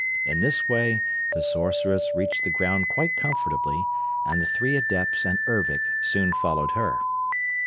In this way the Sorceress reached the ground quite comfortably and the three Adepts and Ervic soon followed her.